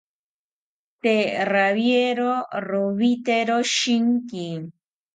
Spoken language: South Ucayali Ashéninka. Tee rawiero rowitero shinki